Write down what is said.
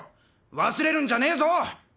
忘れるんじゃねぇぞ！